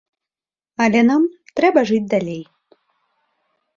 Але нам трэба жыць далей.